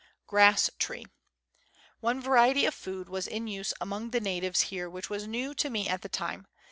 Grass tree. One variety of food was in use among the natives here which was new to me at the time.